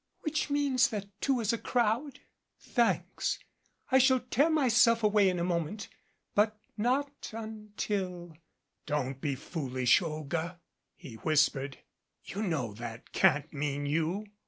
"Which means that two is a crowd? Thanks. I shall tear myself away in a moment, but not until " "Don't be foolish, Olga," he whispered. "You know that can't mean you."